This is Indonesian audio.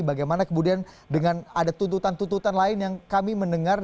bagaimana kemudian dengan ada tuntutan tuntutan lain yang kami mendengar